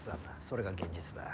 それが現実だ。